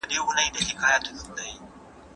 هغه ولي غمجنېدی.